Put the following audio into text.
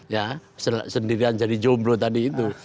ya sendirian jadi jomblo tadi itu